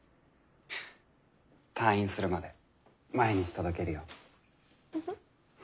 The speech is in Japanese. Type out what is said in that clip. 退院するまで毎日届けるよ。